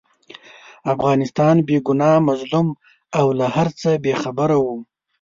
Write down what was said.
افغانستان بې ګناه، مظلوم او له هرڅه بې خبره وو.